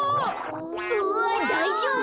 うわっだいじょうぶ？